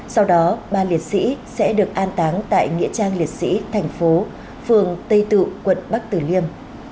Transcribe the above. sau đó ba liệt sĩ sẽ được an táng tại nghĩa trang liệt sĩ thành phố phường tây tự quận bắc tử liêm